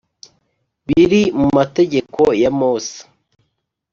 biri mu mategeko ya mose